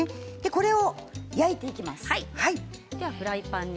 これを焼いていきます。